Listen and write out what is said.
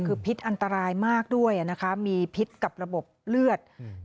คือพิษอันตรายมากด้วยอ่ะนะคะมีพิษกับระบบเลือดอืม